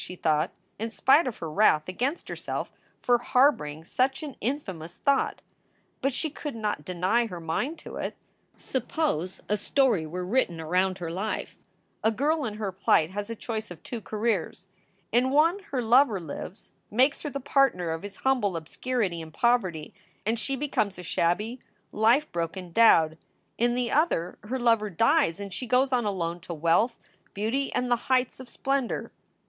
she thought, in spite of her wrath against herself for harboring such an infamous 398 SOULS FOR SALE thought. But she could not deny her mind to it. Suppose a story were written around her life : a girl in her plight has a choice of two careers; in one her lover lives, makes her the partner of his humble obscurity and poverty, and she becomes a shabby, life broken dowd; in the other her lover dies and she goes on alone to wealth, beauty, and the heights of splendor.